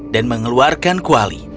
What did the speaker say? dan mengeluarkan kuali